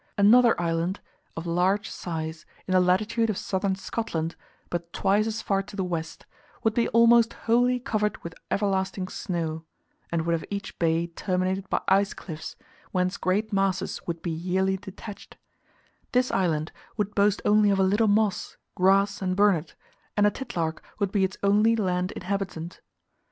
Another island of large size in the latitude of southern Scotland, but twice as far to the west, would be "almost wholly covered with everlasting snow," and would have each bay terminated by ice cliffs, whence great masses would be yearly detached: this island would boast only of a little moss, grass, and burnet, and a titlark would be its only land inhabitant.